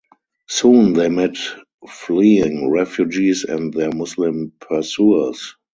Soon they met fleeing refugees and their Muslim pursuers.